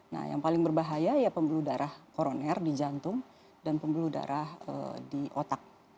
nah yang paling berbahaya ya pembuluh darah koroner di jantung dan pembuluh darah di otak